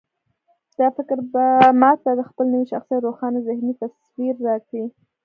دا فکر به ما ته د خپل نوي شخصيت روښانه ذهني تصوير راکړي.